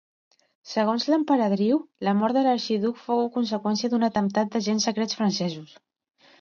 Segons l'emperadriu la mort de l'arxiduc fou conseqüència d'un atemptat d'agents secrets francesos.